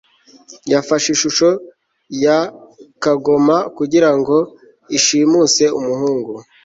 yafashe ishusho ya kagoma kugirango ishimuse umuhungu